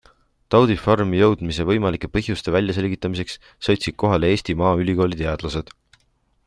Taudi farmi jõudmise võimalike põhjuste väljaselgitamiseks sõitsid kohale Eesti Maaülikooli teadlased.